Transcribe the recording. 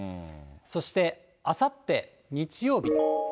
そしてあさって日曜日。